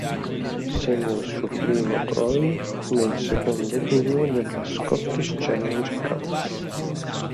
Segna il suo primo gol nel secondo turno della Scottish Challenge Cup.